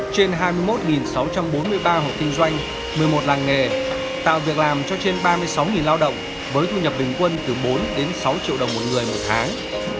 trên hai mươi một sáu trăm bốn mươi ba hộ kinh doanh một mươi một làng nghề tạo việc làm cho trên ba mươi sáu lao động với thu nhập bình quân từ bốn đến sáu triệu đồng một người một tháng